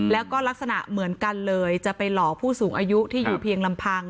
แล้วก็ลักษณะเหมือนกันเลยจะไปหลอกผู้สูงอายุที่อยู่เพียงลำพัง